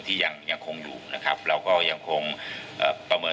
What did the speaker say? ยังยังคงอยู่นะครับเราก็ยังคงเอ่อประเมิน